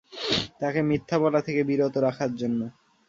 তাকে মিথ্যা বলা থেকে বিরত রাখার জন্য।